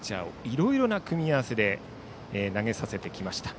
いろいろな組み合わせで投げさせました。